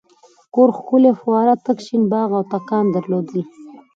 کور ښکلې فواره تک شین باغ او تاکان درلودل.